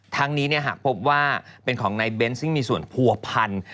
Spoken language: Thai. ทั้งนี้หากพบว่าเป็นของนายเบนส์ซึ่งมีส่วนผัวพัน